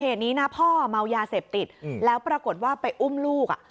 เหตุนี้นะพ่อเมายาเสพติดแล้วปรากฏว่าไปอุ้มลูกอ่ะ